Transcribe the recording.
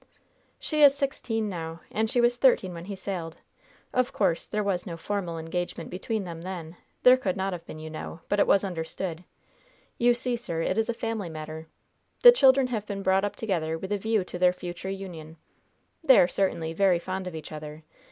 "She is sixteen now, and she was thirteen when he sailed. Of course there was no formal engagement between them then there could not have been, you know; but it was understood! You see, sir, it is a family matter! The children have been brought up together with a view to their future union. They are certainly very fond of each other.